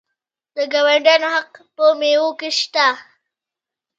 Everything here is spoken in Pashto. د ګاونډیانو حق په میوو کې شته.